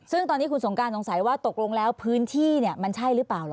ซึ่งตอนนี้คุณสงการสงสัยว่าตกลงแล้วพื้นที่มันใช่หรือเปล่าเหรอ